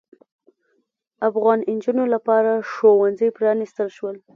افغان نجونو لپاره ښوونځي پرانیستل شول.